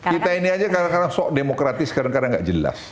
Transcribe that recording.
kita ini aja kadang kadang sok demokratis kadang kadang nggak jelas